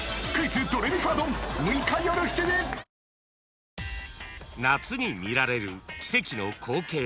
あぁ［夏に見られる奇跡の光景］